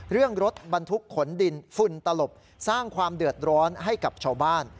เรื่องรถบรรทุกขนดินฝุ่นตลบสร้างความเดือดร้อนให้กับชาวบ้าน